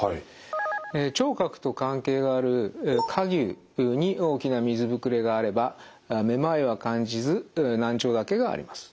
聴覚と関係がある蝸牛に大きな水ぶくれがあればめまいは感じず難聴だけがあります。